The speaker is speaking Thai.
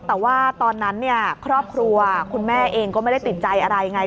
แต่ว่าตอนนั้นเนี่ยครอบครัวคุณแม่เองก็ไม่ได้ติดใจอะไรไง